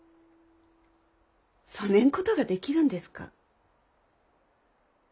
そねんことができるんですか？